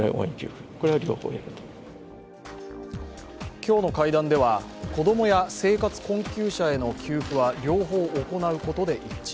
今日の会談では子供や生活困窮者への給付は両方行うことで一致。